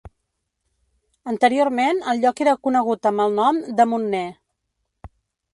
Anteriorment el lloc era conegut amb el nom de Montner.